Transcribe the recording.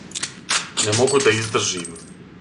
Не могу да издржим!